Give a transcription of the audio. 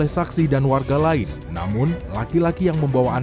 dari gapura polres balik lagi ke warung